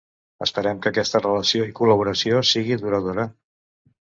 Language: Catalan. Esperem que aquesta relació i col·laboració siga duradora.